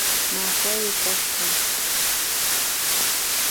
ماشه يې کش کړه.